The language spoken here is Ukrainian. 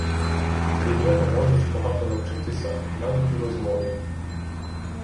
Від нього можеш багато навчитися, навіть у розмові.